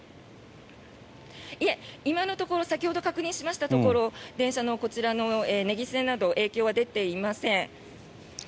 いえ、今のところ先ほど確認しましたところ電車は根岸線など影響は出ていません。